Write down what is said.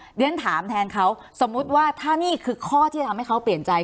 เรียนถามแทนเขาสมมุติว่าถ้านี่คือข้อที่จะทำให้เขาเปลี่ยนใจ